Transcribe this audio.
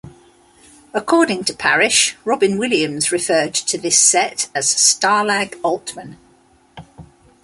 According to Parish, Robin Williams referred to this set as "Stalag Altman".